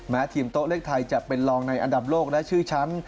ทีมโต๊ะเลขไทยจะเป็นรองในอันดับโลกและชื่อชั้น